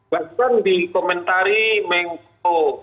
bahkan di komentari meng popul